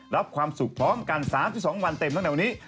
รับความสุขป้องกัน๓๒วันเต็มทั้งแนวนี้